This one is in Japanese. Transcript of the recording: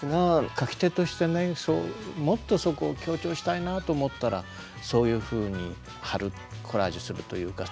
描き手としてもっとそこを強調したいなと思ったらそういうふうに貼るコラージュするというか。